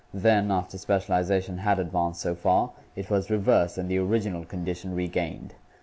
Then, after specialization had advanced so far, it was reversed and the original condition regained.